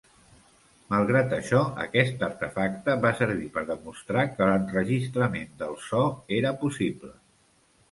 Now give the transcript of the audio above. Malgrat això, aquest artefacte va servir per demostrar que l'enregistrament del so era possible.